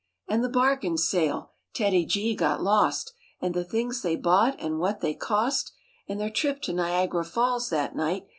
W And the bargain sale; TEDDY G got lost; And the things they bought and what they cost; And their trip to Niagara Falls that night.